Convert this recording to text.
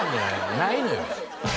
ないのよ。